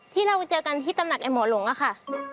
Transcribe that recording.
ที่เราไปเจอกันที่ตำหนักไอหมอหลงอะค่ะ